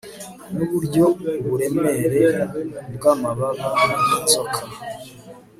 nuburyo uburemere bwamababa yinzoka